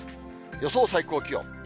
予想最高気温。